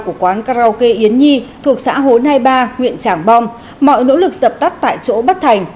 của quán karaoke yến nhi thuộc xã hồ nai ba huyện tràng bông mọi nỗ lực dập tắt tại chỗ bắt thành